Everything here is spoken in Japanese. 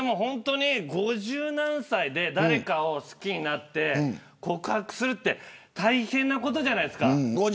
五十何歳で誰かを好きになって告白するって大変なことじゃないですか。